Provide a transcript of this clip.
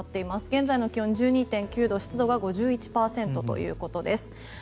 現在の気温１２．９度湿度が５１％です。